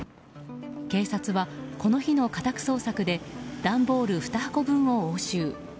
警察は、この日の家宅捜索で段ボール２箱分を押収。